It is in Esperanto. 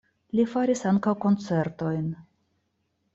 Li faris ankaŭ koncertojn.